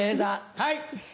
はい。